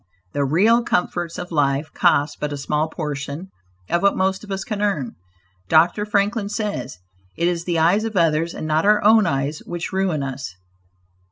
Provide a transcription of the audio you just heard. The real comforts of life cost but a small portion of what most of us can earn. Dr. Franklin says "it is the eyes of others and not our own eyes which ruin us.